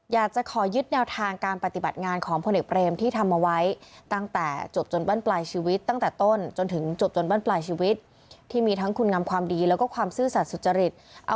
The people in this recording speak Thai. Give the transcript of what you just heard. อยากจะขอยึดแนวทางการปฏิบัติงานของพลเนกเปรม